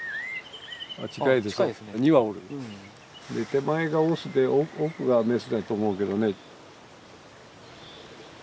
手前がオスで奥がメスだと思うけどね。